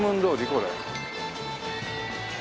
これ。